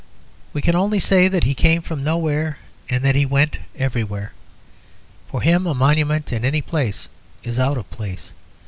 We can only say that he came from nowhere and that he went everywhere. For him a monument in any place is out of place.